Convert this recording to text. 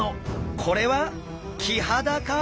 これはキハダか！？